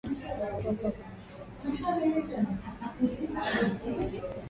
wako wafanyakazi wengi ambao wako kwenye hali hiyo